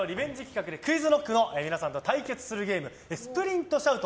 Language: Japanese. ポカジノリベンジ企画でＱｕｉｚＫｎｏｃｋの皆さんと対決するゲームスプリントシャウト。